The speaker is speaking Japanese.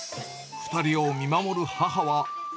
２人を見守る母は。